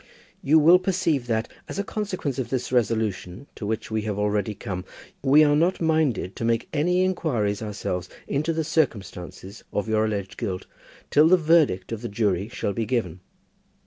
You will perceive that, as a consequence of this resolution, to which we have already come, we are not minded to make any inquiries ourselves into the circumstances of your alleged guilt, till the verdict of the jury shall be given.